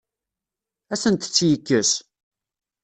Ad asent-tt-yekkes?